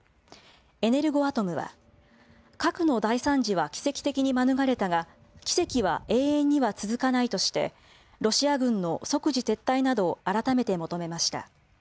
エネルゴアトムは、核の大惨事は奇跡的に免れたが、奇跡は永遠には続かないとして、ロシア軍の即時撤退などを改めて求めました。